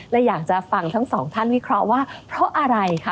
และอยากจะฟังทั้งสองท่านวิเคราะห์ว่าเพราะอะไรค่ะ